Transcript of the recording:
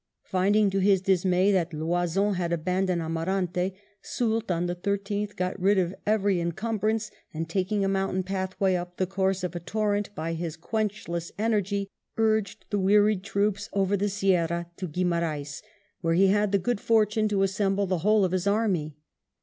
Finding to his dismay that Loison had abandoned Amarante, Soult, on the 13th, got rid of every encumbrance and, taking a mountain path way up the course of a torrent, by his quenchless energy urged the wearied troops over the Sierra to Guimaraens, where he had the good fortune to assemble the whole of his army.